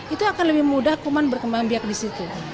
itu akan lebih mudah kuman berkembang biak di situ